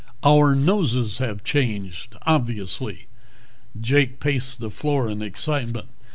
"Our noses have changed, obviously." Jake paced the floor in excitement.